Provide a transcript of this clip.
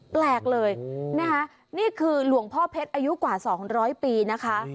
แปลกเลยนะคะนี่คือหลวงพ่อเพชรอายุกว่า๒๐๐ปีนะคะ